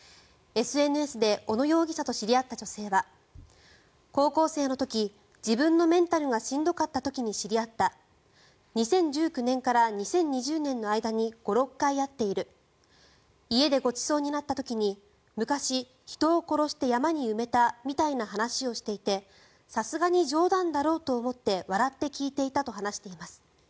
ＳＮＳで小野容疑者と知り合った女性は高校生の時、自分のメンタルがしんどかった時に知り合った２０１９年から２０２０年の間に５６回会っている家でごちそうになった時に昔、人を殺して山に埋めたみたいな話をしていてさすがに冗談だろうと思って笑って聞いていたと話しています。